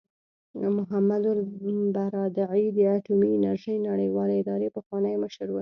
محمد البرادعي د اټومي انرژۍ نړیوالې ادارې پخوانی مشر و.